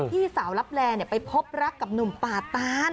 ที่สาวลับแลไปพบรักกับหนุ่มป่าตาน